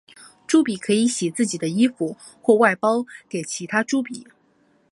朱比可以洗自己的衣服或外包给其他朱比。